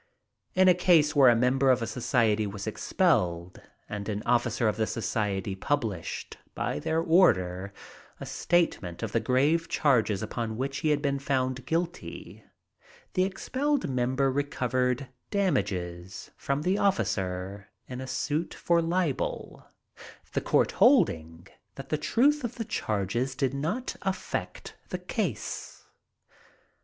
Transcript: In a case where a member of a society was expelled, and an officer of the society published, by their order, a statement of the grave charges upon which he had been found guilty, the expelled member recovered damages from the officer, in a suit for libel—the court holding that the truth of the charges did not affect the case.